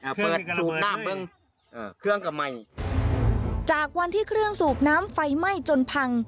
อ่ะเปิดสูบน้ำเชิงกำไหมจากวันที่เครื่องสูบน้ำไฟไหม้จนพัง